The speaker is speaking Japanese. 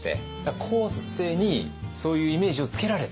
後世にそういうイメージをつけられた？